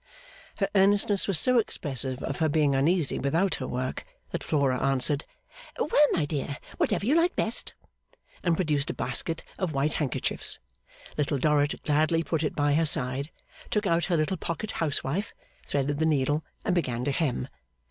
Her earnestness was so expressive of her being uneasy without her work, that Flora answered, 'Well my dear whatever you like best,' and produced a basket of white handkerchiefs. Little Dorrit gladly put it by her side, took out her little pocket housewife, threaded the needle, and began to hem.